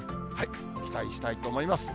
期待したいと思います。